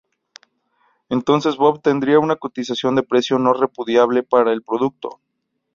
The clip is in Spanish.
Entonces Bob tendría una cotización de precio no-repudiable para el producto.